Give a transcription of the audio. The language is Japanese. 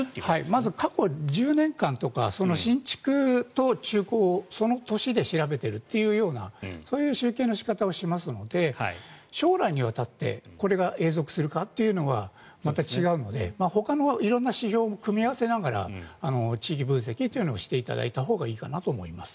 まず過去１０年間とか新築と中古をその年で調べているというようなそういう集計の仕方をしますので将来にわたってこれが永続するかというのはまた違うのでほかの色んな指標も組み合わせながら地域分析というのをしていただいたほうがいいかなと思います。